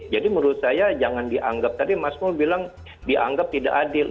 jadi menurut saya jangan dianggap tadi mas mould bilang dianggap tidak adil